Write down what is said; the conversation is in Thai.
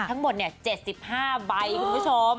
ทั้งหมด๗๕ใบคุณผู้ชม